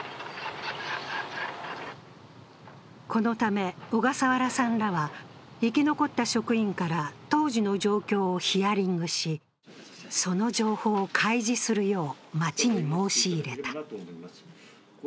このため、小笠原さんらは生き残った職員から当時の状況をヒアリングし、その情報を開示するよう町に申し入れた。